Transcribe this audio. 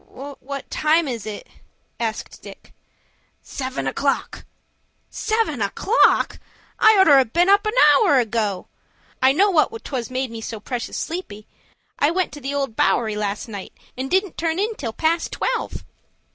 "What time is it?" asked Dick. "Seven o'clock." "Seven o'clock! I oughter've been up an hour ago. I know what 'twas made me so precious sleepy. I went to the Old Bowery last night, and didn't turn in till past twelve."